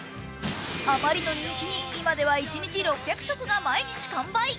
あまりの人気に今では一日６００食が毎日完売。